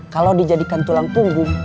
kalau dijadikan tulang punggung